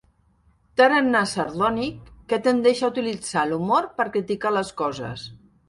Tarannà sardònic que tendeix a utilitzar l'humor per criticar les coses.